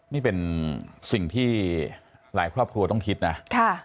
นี่เป็นสิ่งที่หลายครอบครัวต้องคิดนะ